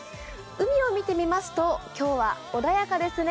海を見てみますと今日は穏やかですね。